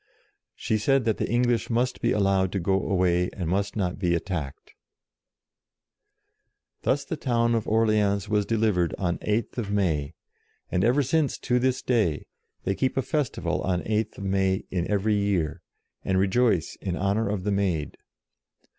She said that the English must be allowed to go away, and must not be attacked. Thus the town of Orleans was delivered on 8th May, and ever since, to this day, they keep a festival on 8th May in every year, and rejoice in honour of the Maid.